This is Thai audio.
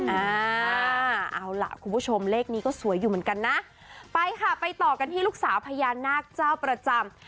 อ่าเอาล่ะคุณผู้ชมเลขนี้ก็สวยอยู่เหมือนกันนะไปค่ะไปต่อกันที่ลูกสาวพญานาคเจ้าประจำ